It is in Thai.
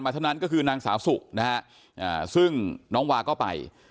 เท่านั้นก็คือนางสาวสุนะฮะซึ่งน้องวาก็ไป